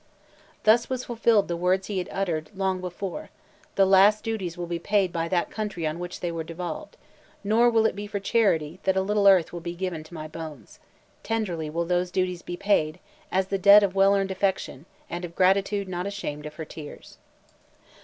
Thus was fulfilled the words he had uttered long before—"The last duties will be paid by that country on which they are devolved; nor will it be for charity that a little earth will be given to my bones. Tenderly will those duties be paid, as the debt of well earned affection, and of gratitude not ashamed of her tears."